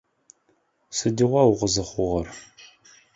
Сыдигъуа укъызыхъугъэр?